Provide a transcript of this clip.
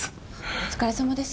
お疲れさまです。